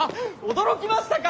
驚きましたか！